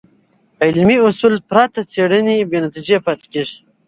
علمي اصول پرته څېړنې بېنتیجه پاتې کېږي.